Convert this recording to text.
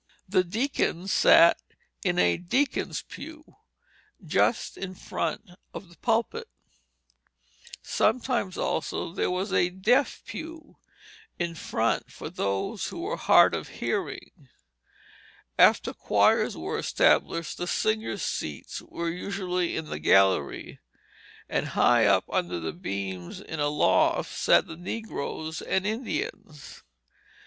The deacons sat in a "Deacons' Pue" just in front of the pulpit; sometimes also there was a "Deaf Pue" in front for those who were hard of hearing. After choirs were established the singers' seats were usually in the gallery; and high up under the beams in a loft sat the negroes and Indians.